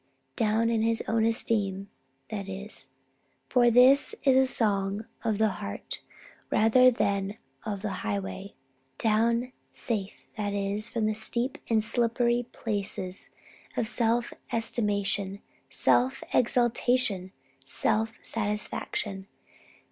Down in his own esteem, that is. For this is a song of the heart rather than of the highway. Down safe, that is, from the steep and slippery places of self estimation, self exaltation, self satisfaction.